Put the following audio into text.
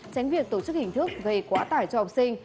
tránh việc tổ chức hình thức gây quá tải cho học sinh